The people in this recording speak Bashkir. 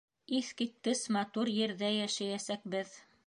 Иҫ киткес матур ерҙә йәшәйәсәкбеҙ.